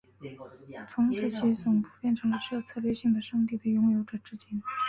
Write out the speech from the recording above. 从此其总部变成了这策略性的圣地的拥有者至今。